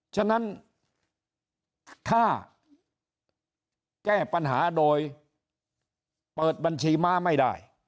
ฉะนั้นถ้าแก้ปัญหาโดยเปิดบัญชีม้าไม่ได้